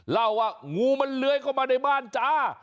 เล่าว่างูมันเลื้อยเข้ามาในบ้านจ้า